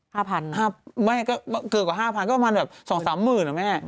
๕๐๐๐นะครับไม่เกือบกว่า๕๐๐๐ก็ประมาณแบบ๒๓หมื่นนะแม่